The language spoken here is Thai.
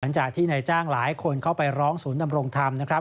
หลังจากที่นายจ้างหลายคนเข้าไปร้องศูนย์ดำรงธรรมนะครับ